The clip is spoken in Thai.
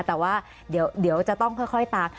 แต่ว่าเดี๋ยวจะต้องค่อยตาม